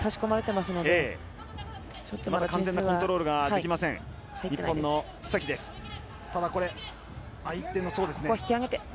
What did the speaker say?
まだ完全なコントロールができません日本の須崎です。